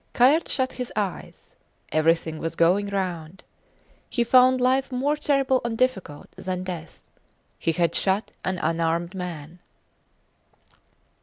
Kayerts shut his eyes. Everything was going round. He found life more terrible and difficult than death. He had shot an unarmed man.